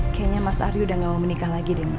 kayaknya mas ari udah gak mau menikah lagi deh